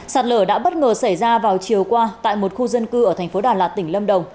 sạt lở đã bất ngờ xảy ra vào chiều qua tại một khu dân cư ở thành phố đà lạt tỉnh lâm đồng